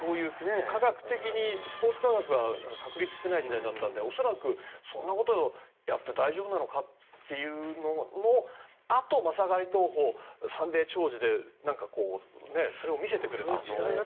科学的にスポーツ科学が確立していない時代だったので恐らく、そんなことやって大丈夫なのかっていうののあとマサカリ投法、サンデー兆治でそれを見せてくれた。